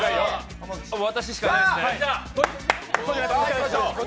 私しかいないですね。